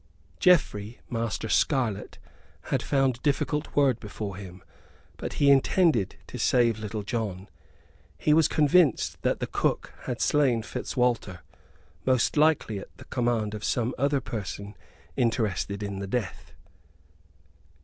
Geoffrey Master Scarlett had found difficult work before him, but he intended to save Little John. He was convinced that the cook had slain Fitzwalter, most likely at the command of some other person interested in the death.